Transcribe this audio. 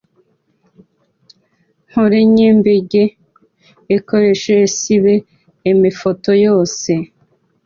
nkorenyembege ekoreshe esibe emefoto yose